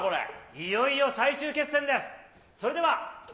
いよいよ最終決戦です。